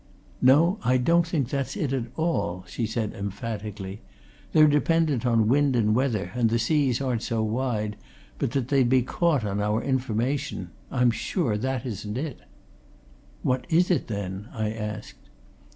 "No, I don't think that's it at all," she said emphatically. "They're dependent on wind and weather, and the seas aren't so wide, but that they'd be caught on our information. I'm sure that isn't it." "What is it, then?" I asked.